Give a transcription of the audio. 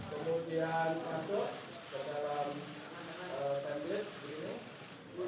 kemudian masuk ke dalam banjir